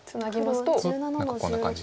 と何かこんな感じで。